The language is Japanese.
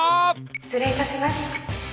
失礼いたします。